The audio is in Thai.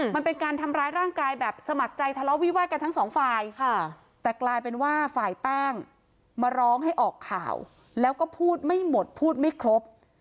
มันเป็นการทำร้ายร่างกายแบบสมัครใจทะเลาะวิวาดกันทั้งสองฝ่ายแต่กลายเป็นว่าฝ่ายแป้งมาร้องให้ออกข่าวแล้วก็พูดไม่หมดพูดไม่ครบ